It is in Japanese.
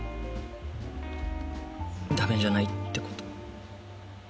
ダメじゃないってこと？